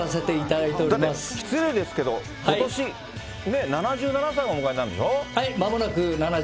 だって失礼ですけど、ことし７７歳をお迎えになるんでしょう。